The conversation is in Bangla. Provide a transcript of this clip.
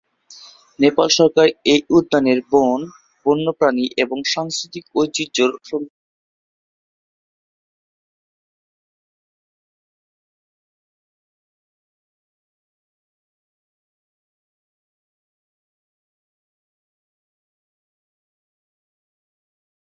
নেপাল সরকার এই উদ্যানের বন, বন্যপ্রাণী এবং সাংস্কৃতিক ঐতিহ্য সংরক্ষণে বিশেষ ব্যবস্থা গ্রহণ করে।